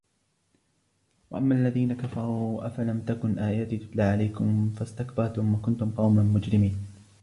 وَأَمَّا الَّذِينَ كَفَرُوا أَفَلَمْ تَكُنْ آيَاتِي تُتْلَى عَلَيْكُمْ فَاسْتَكْبَرْتُمْ وَكُنْتُمْ قَوْمًا مُجْرِمِينَ